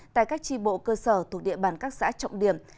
tại các tri bộ cơ sở thuộc địa bàn các xã trọng điểm